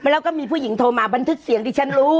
แล้วก็มีผู้หญิงโทรมาบันทึกเสียงที่ฉันรู้